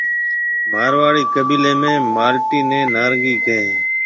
مارواڙِي قيبيلي ۾ مالٽي نَي نارنگِي ڪهيَ هيَ۔